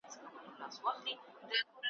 لکه دروېش لکه د شپې قلندر ,